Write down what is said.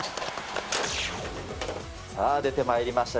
さあ、出てまいりました。